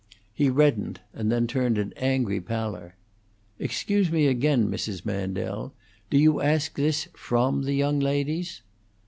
He reddened, and then turned an angry pallor. "Excuse me again, Mrs. Mandel. Do you ask this from the young ladies?"